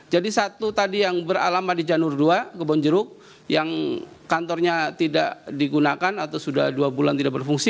jadi satu tadi yang beralama di janur dua kebonjeruk yang kantornya tidak digunakan atau sudah dua bulan tidak berfungsi